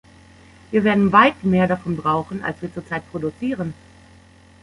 Wir werden weit mehr davon brauchen, als wir zur Zeit produzieren.